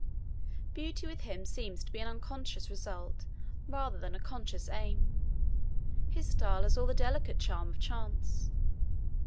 Beauty with him seems to be an unconscious result rather than a conscious aim; his style has all the delicate charm of chance.